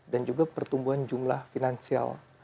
dan juga pertumbuhan jumlah finansial